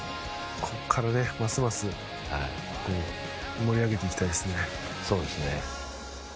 ここから、ますます盛り上げていきたいですね。